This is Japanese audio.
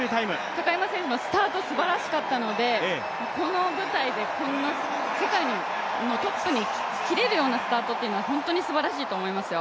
高山選手、スタートはすばらしかったので、この舞台でトップに切れるようなスタートは本当にすばらしいと思いますよ。